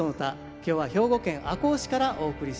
今日は兵庫県赤穂市からお送りしてまいります。